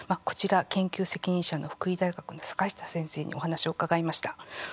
こちら研究責任者の福井大学の坂下先生にお話を伺いました。